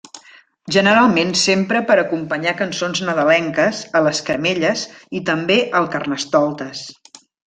Generalment s'empra per acompanyar cançons nadalenques, a les caramelles i també al Carnestoltes.